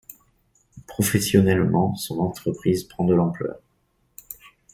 Professionnellement, son entreprise prend de l'ampleur.